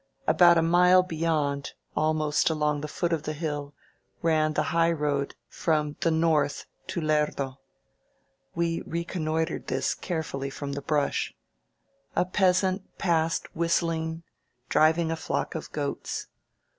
About a mile beyond, almost along the foot of the hill, ran the high road from the north to Lerdo. We reconnoitered this carefully from the brush. A peasant passed whist 237 INSURGENT MEXICX) ling, driying a flock of goats.